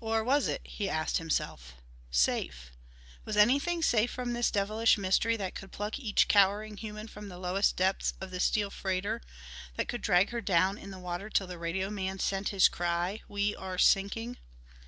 Or was it, he asked himself. Safe! Was anything safe from this devilish mystery that could pluck each cowering human from the lowest depths of this steel freighter, that could drag her down in the water till the radio man sent his cry: "We are sinking!..."